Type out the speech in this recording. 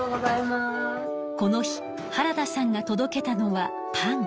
この日原田さんが届けたのはパン。